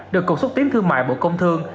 được cục xuất tiến thương mại bộ công thương